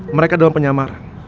mereka dalam penyamaran